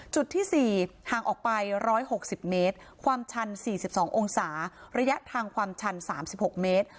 จุดที่๔ห่างออกไป๑๖๐เมตรความชัน๔๒องศาระยะทางความชัน๓๖เมตร